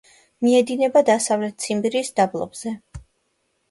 მიედინება დასავლეთ ციმბირის დაბლობზე.